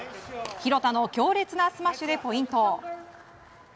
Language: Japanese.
廣田の強烈なスマッシュでポイント。